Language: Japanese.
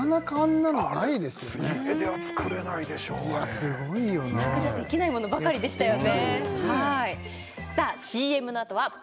すごいよな自宅じゃできないものばかりでしたよね